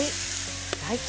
大根。